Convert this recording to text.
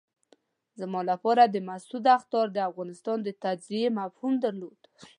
زما لپاره د مسعود اخطار د افغانستان د تجزیې مفهوم درلود.